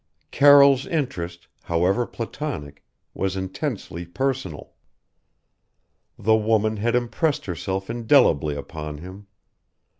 Carroll's interest however platonic was intensely personal. The woman had impressed herself indelibly upon him.